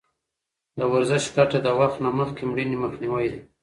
د ورزش ګټه د وخت نه مخکې مړینې مخنیوی دی.